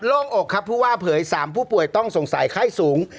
โล่งอกครับผู้ว่าเผย๓ผู้ป่วยต้องสงสัยไข้สูง